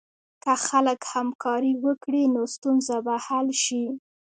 که خلک همکاري وکړي، نو ستونزه به حل شي.